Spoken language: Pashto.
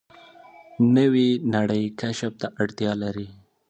نوې نړۍ کشف ته اړتیا لري